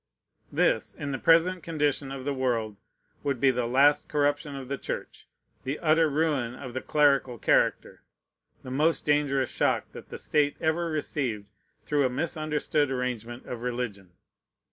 This, in the present condition of the world, would be the last corruption of the Church, the utter ruin of the clerical character, the most dangerous shock that the state ever received through a misunderstood arrangement of religion.